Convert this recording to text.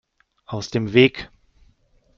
Aus dem Weg!